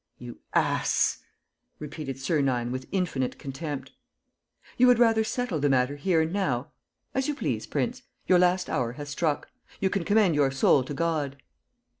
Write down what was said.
"You ass!" repeated Sernine, with infinite contempt. "You would rather settle the matter here and now? As you please, prince: your last hour has struck. You can commend your soul to God.